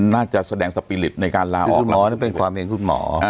น่าจะแสดงสปีริตในการลาออกล้อนั่นเป็นความเห็นคุณหมอ